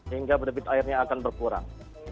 hingga debit airnya akan berkurang